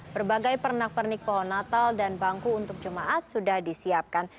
berbagai pernak pernik pohon natal dan bangku untuk jemaat sudah disiapkan